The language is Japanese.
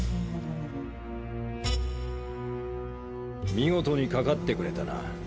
見事に掛かってくれたな。